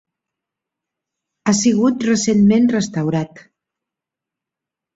Ha sigut recentment restaurat.